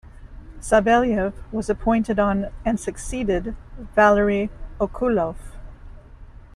Savelyev was appointed on and succeeded Valery Okulov.